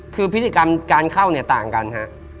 คือพฤติกรรมการเข้าเนี่ยต่างกันฮะ